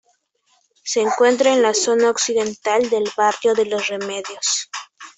Se encuentra en la zona occidental del barrio de Los Remedios.